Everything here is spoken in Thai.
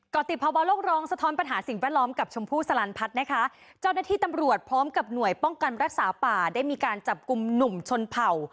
ติดภาวะโลกร้องสะท้อนปัญหาสิ่งแวดล้อมกับชมพู่สลันพัฒน์นะคะเจ้าหน้าที่ตำรวจพร้อมกับหน่วยป้องกันรักษาป่าได้มีการจับกลุ่มหนุ่มชนเผ่า